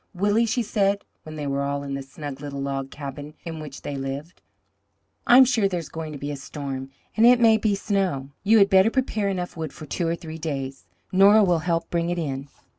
"Willie," she said, when they were all in the snug little log cabin in which they lived, "I'm sure there's going to be a storm, and it may be snow. You had better prepare enough wood for two or three days; Nora will help bring it in."